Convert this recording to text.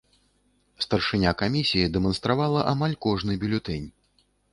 Старшыня камісіі дэманстравала амаль кожны бюлетэнь.